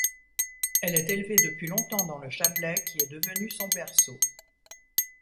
Elle est élevée depuis longtemps dans le Chablais qui est devenu son berceau.